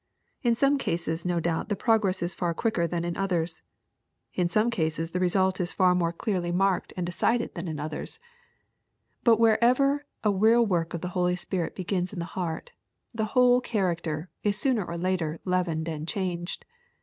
In some cases no doubt the progress is far quicker than in others. In some cases the result is far more clearly 128 EXPOSITORY THOUGHTS. marked and decided than in others. But wherever a real work of the Holy Ghost begins in the heart, the whole character is sooner or later leavened and changed.